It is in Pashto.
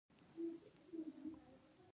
دوی وکولی شول له فلز څخه وسایل جوړ کړي.